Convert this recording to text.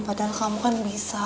padahal kamu kan bisa